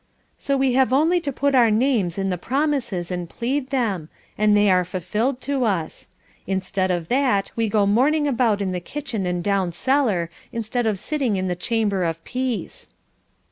So we have only to put our names in the promises and plead them, and they are fulfilled to us. Instead of that, we go mourning about in the kitchen and down cellar, instead of sitting in the 'chamber of peace.'"